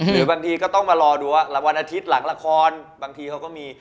หรือบางทีก็ต้องมารอดูว่ารางวัลอาทิตย์หลังละครบางทีเขาก็มี